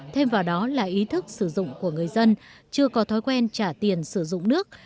thêm vào đó là ý thức sử dụng của người dân chưa có thói quen trả tiền sử dụng nước